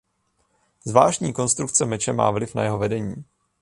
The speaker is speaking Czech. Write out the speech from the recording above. Zvláštní konstrukce meče má vliv na jeho vedení.